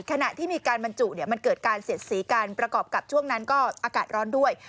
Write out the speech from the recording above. ขณะที่มีการบรรจุมันเกิดการเสียดสีกันประกอบกับช่วงนั้นก็อากาศร้อนด้วย